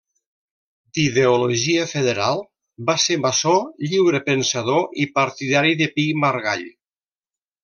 D'ideologia federal, va ser maçó, lliurepensador i partidari de Pi i Margall.